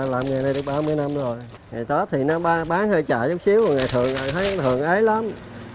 làm nghề này được ba mươi năm rồi ngày tết thì nó bán hơi chả chút xíu ngày thường thấy thường ế lắm